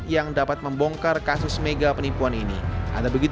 yang dapat membongkar kasus mega penipuan ini